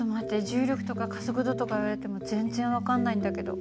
重力とか加速度とか言われても全然分かんないんだけど。